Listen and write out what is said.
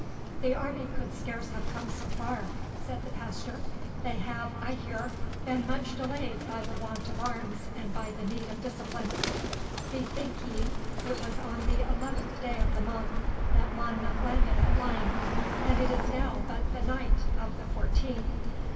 'The army could scarce have come so far,' said the pastor. 'They have, I hear, been much delayed by the want of arms and by the need of discipline. Bethink ye, it was on the eleventh day of the month that Monmouth landed at Lyme, and it is now but the night of the fourteenth.